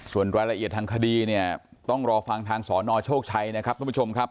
ส่วนรายละเอียดทางคดีเนี่ยต้องรอฟังทางสนโชคชัยนะครับทุกผู้ชมครับ